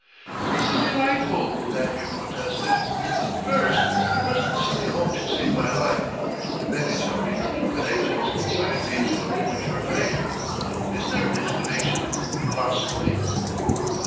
"This is delightful!" Lanyard protested. "First you must see me home to save my life, and then you tell me your inclinations consign me to a premature grave. Is there an explanation, possibly?"